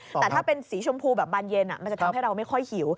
แต่ถ้าเป็นสีชมพูแบบบานเย็นมันจะทำให้เราไม่ค่อยหิว